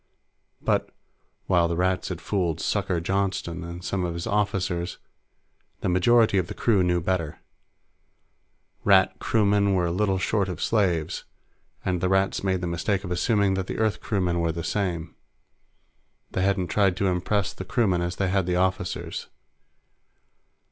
But, while the Rats had fooled "Sucker" Johnston and some of his officers, the majority of the crew knew better. Rat crewmen were little short of slaves, and the Rats made the mistake of assuming that the Earth crewmen were the same. They hadn't tried to impress the crewmen as they had the officers.